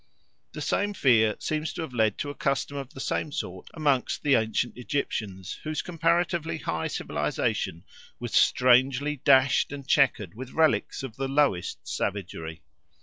The same fear seems to have led to a custom of the same sort amongst the ancient Egyptians, whose comparatively high civilisation was strangely dashed and chequered with relics of the lowest savagery.